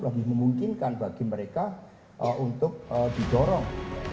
lebih memungkinkan bagi mereka untuk didorong